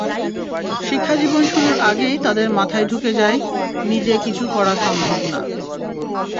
শিক্ষাজীবন শুরুর আগেই তাদের মাথায় ঢুকে যায়, নিজে কিছু করা সম্ভব না।